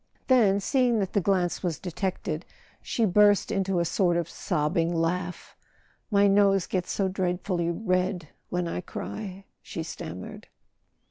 Then, seeing that the glance was detected, she burst into a sort of sobbing laugh. "My nose gets so dreadfully red when I cry," she stammered.